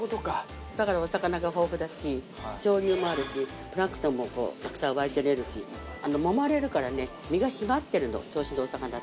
だからお魚が豊富だし潮流もあるしプランクトンもたくさん湧いて出るしもまれるから身が締まってるの銚子の魚って。